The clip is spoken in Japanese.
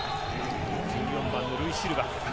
１４番のルイ・シルバ。